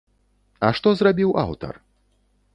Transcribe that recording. А што зрабіў аўтар?